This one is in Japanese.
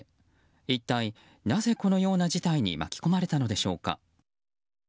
一体なぜこのような事態に巻き込まれたのでしょうか。